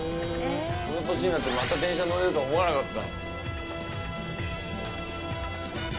この年になってまた電車乗れるとは思わなかった。